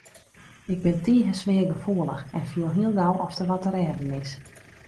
Ik bin tige sfeargefoelich en fiel hiel gau oft der wat te rêden is.